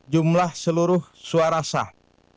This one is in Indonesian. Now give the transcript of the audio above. jumlah seluruh suara sah